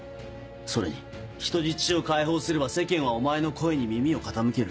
それに人質を解放すれば世間はお前の声に耳を傾ける。